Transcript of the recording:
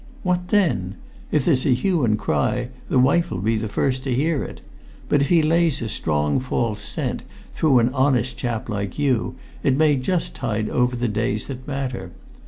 What then? If there's a hue and cry the wife'll be the first to hear it; but if he lays a strong false scent, through an honest chap like you, it may just tide over the days that matter.